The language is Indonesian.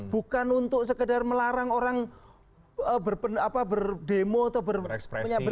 bukan untuk sekedar melarang orang berdemo atau berekspresi